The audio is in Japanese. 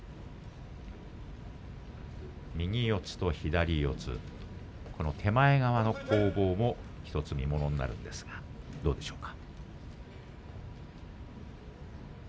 右四つと左四つ手前側の攻防も１つ見ものになるんですが、どうでしょうか。